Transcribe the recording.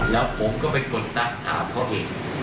แล้วผมก็เป็นคนตั้งถามเขาเอง